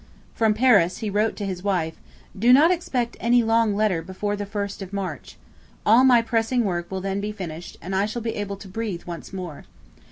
From Paris he wrote to his wife: 'Do not expect any long letter before the 1st of March. All my pressing work will then be finished, and I shall be able to breathe once more.